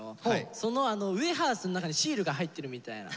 そのウエハースの中にシールが入ってるみたいな。